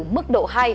mức độ hai